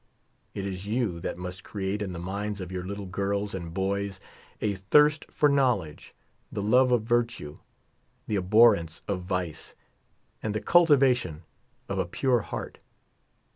It is you that must create in the minds of your little girls and boys a thirst for knowledge, the love of virtue, the abhorrence of vice, and the cultivation of a pure heart.